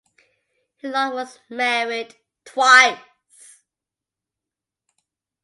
Helot was married twice.